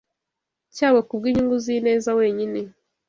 cyabo Kubwinyungu zineza wenyine